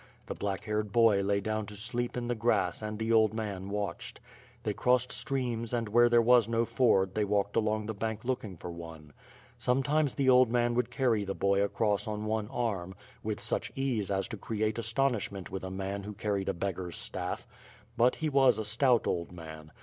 The black haired boy lay down to sleep in the grass and the old man watched. They crossed streams and where they was no ford they walked along the bank looking for one. Sometimes the old man would carry the boy across on one arm, with such ease as to create astonishment with a man who carried a beggar's staff; But he was a stout old man.